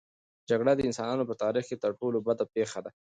جګړه د انسانانو په تاریخ کې تر ټولو بده پېښه ده.